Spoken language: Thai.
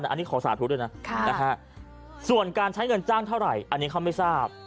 อันนี้ขอสาธุด้วยนะส่วนการใช้เงินจ้างเท่าไหร่อันนี้เขาไม่ทราบ